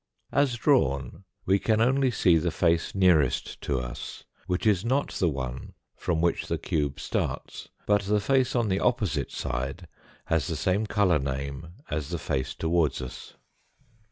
As drawn, we can only see the face nearest to us, which is not the one from which the cube starts but the face on the opposite side has the same colour name as the face towards us.